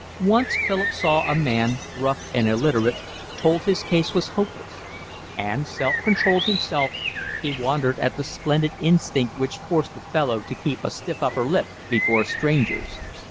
Once Philip saw a man, rough and illiterate, told his case was hopeless; and, self controlled himself, he wondered at the splendid instinct which forced the fellow to keep a stiff upper lip before strangers.